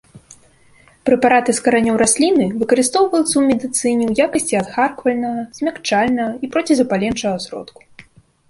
Прэпараты з каранёў расліны выкарыстоўваюцца ў медыцыне ў якасці адхарквальнага, змякчальнага і процізапаленчага сродку.